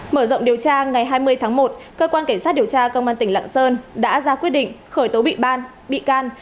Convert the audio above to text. mở rộng điều tra ngày hai mươi tháng một cơ quan cảnh sát điều tra công an tỉnh lạng sơn đã ra quyết định khởi tố bị ban bị can